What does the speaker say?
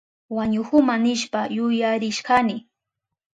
Wañuhuma nishpa yuyarishkani.